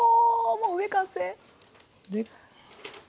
もう上完成？で。